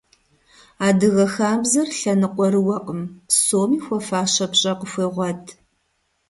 Адыгэ хабзэр лъэныкъуэрыуэкъым, псоми хуэфащэ пщӀэ къыхуегъуэт.